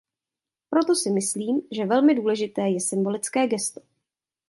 Proto si myslím, že velmi důležité je symbolické gesto.